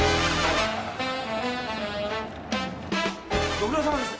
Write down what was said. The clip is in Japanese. ご苦労さまです。